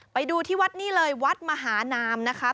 ไปดูที่วัดนี้เลยวัดมหานามนะคะ